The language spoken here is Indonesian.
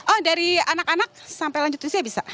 oh dari anak anak sampai lanjut usia bisa